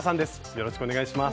よろしくお願いします。